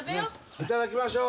いただきましょう。